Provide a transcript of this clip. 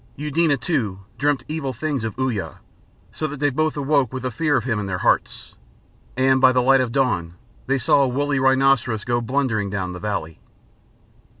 Eudena, too, dreamt evil things of Uya, so that they both awoke with the fear of him in their hearts, and by the light of the dawn they saw a woolly rhinoceros go blundering down the valley.